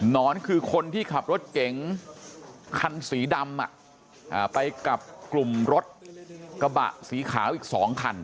นอนคือคนที่ขับรถเก๋งคันสีดำไปกับกลุ่มรถกระบะสีขาวอีก๒คัน